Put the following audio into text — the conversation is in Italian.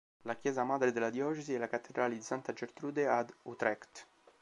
La chiesa madre della diocesi è la Cattedrale di Santa Gertrude, ad Utrecht.